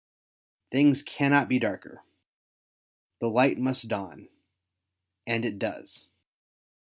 Things cannot be darker. The light must dawn ; and it does.